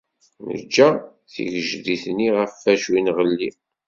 Neǧǧa tigejdit-nni ɣef wacu i nɣelli.